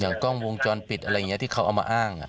กล้องวงจรปิดอะไรอย่างนี้ที่เขาเอามาอ้าง